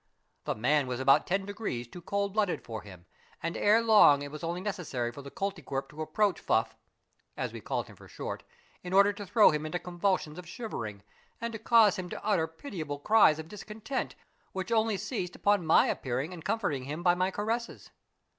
The man was about ten degrees too cold blooded for him, and ere long it was only necessar}^ for the Koltykwerp to approach Fuff, — as we called him for short, — in order to throw him into convulsions of shivering and to cause him to utter pitiable cries of discontent, which only ceased upon my appearing and comforting him by my caresses.